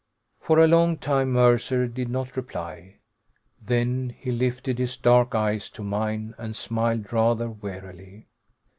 For a long time, Mercer did not reply. Then he lifted his dark eyes to mine, and smiled, rather wearily.